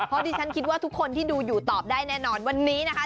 เพราะดิฉันคิดว่าทุกคนที่ดูอยู่ตอบได้แน่นอนวันนี้นะคะ